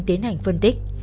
tiến hành phân tích